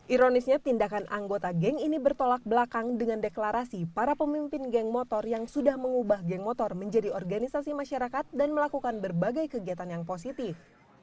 ironisnya tindakan anggota geng ini bertolak belakang dengan deklarasi para pemimpin geng motor yang sudah mengubah geng motor menjadi organisasi masyarakat dan melakukan berbagai kegiatan yang positif